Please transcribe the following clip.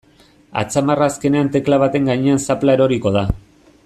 Atzamarra azkenean tekla baten gainean zapla eroriko da.